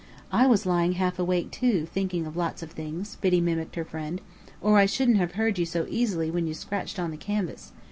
"I was lying half awake, too, thinking of 'lots of things,'" Biddy mimicked her friend, "or I shouldn't have heard you so easily when you scratched on the canvas.